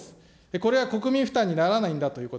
これは国民負担にならないんだということ。